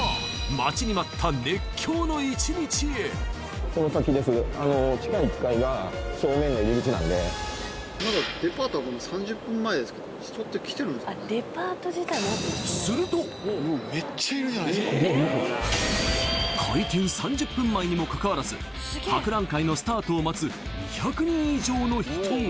待ちに待った熱狂の１日へ開店３０分前にもかかわらず博覧会のスタートを待つ２００人以上の人が！